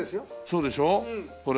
そうでしょこれ。